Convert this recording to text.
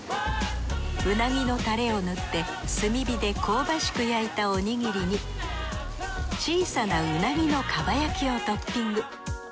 鰻のタレを塗って炭火で香ばしく焼いたおにぎりに小さなうなぎの蒲焼きをトッピング。